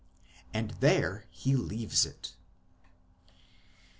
1 And there he leaves it.